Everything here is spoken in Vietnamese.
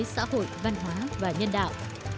xã hội văn hóa và nhân đạo